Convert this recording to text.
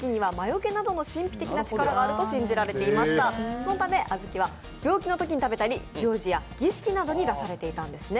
そのため小豆は病気のときに食べたり、行事や儀式などに出されていたんですね。